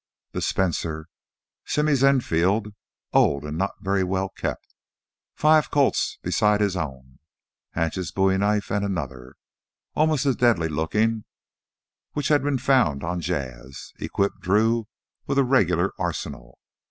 The Spencer, Simmy's Enfield, old and not very well kept, five Colts beside his own, Hatch's bowie knife and another, almost as deadly looking, which had been found on Jas', equipped Drew with a regular arsenal.